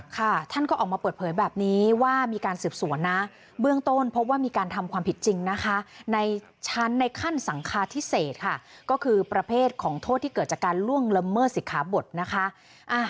ค่ะท่านก็ออกมาเปิดเผยแบบนี้ว่ามีการสืบสวนนะเบื้องต้นพบว่ามีการทำความผิดจริงนะคะในชั้นในขั้นสังคาพิเศษค่ะก็คือประเภทของโทษที่เกิดจากการล่วงละเมิดสิทธาบทนะคะ